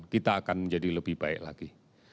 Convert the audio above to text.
kita akan menjadi lebih baik lagi